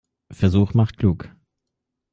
Versuch macht klug.